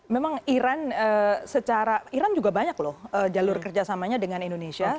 memang iran secara iran juga banyak loh jalur kerjasamanya dengan indonesia